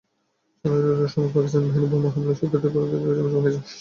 স্বাধীনতাযুদ্ধের সময় পাকিস্তানি বাহিনীর বোমা হামলায় সেতুটির পূর্বদিকের কিছু অংশ ভেঙে যায়।